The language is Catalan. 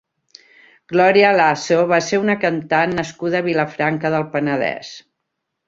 Gloria Lasso va ser una cantant nascuda a Vilafranca del Penedès.